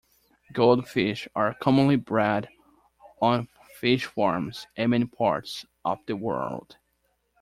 Goldfish are commonly bred on fish farms in many parts of the world.